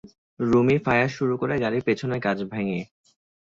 Rumi fire শুরু করে গাড়ির পেছনের কাচ ভেঙে।